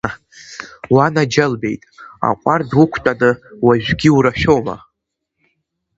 Уанаџьалбеит, аҟәардә уқәтәаны уажәгьы урашәома?!